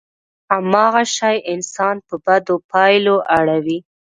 هماغه شی انسان په بدو پايلو اړوي.